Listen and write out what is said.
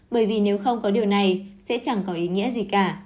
bởi vì nếu không có điều này sẽ chẳng có ý nghĩa gì cả